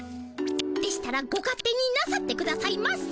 でしたらご勝手になさってくださいませ。